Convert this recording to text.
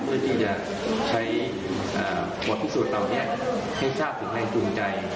เพื่อที่จะควบคุมตอนเนี่ยได้ทราบถึงแรงจูงใจ